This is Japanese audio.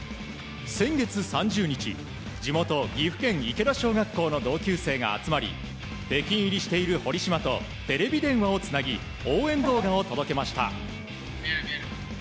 先月３０日、地元・岐阜県池田小学校の同級生が集まり北京入りしている堀島とテレビ電話をつなぎ応援動画を届けました。